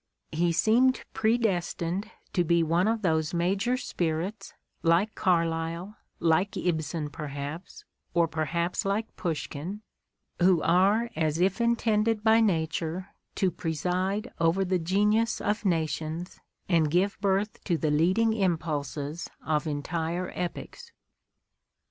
He seemed predestined to be one of those major spirits, like Carlyle, like Ibsen perhaps, or per haps like Pushkin, who are as if intended by nature to preside over the genius of nations and give birth to the leading impulses of entire epochs.